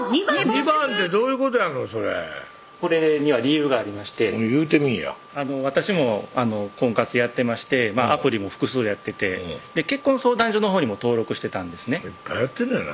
２番ってどういうことやのそれこれには理由がありまして言うてみぃや私も婚活やってましてアプリも複数やってて結婚相談所のほうにも登録してたんですねいっぱいやってんねんな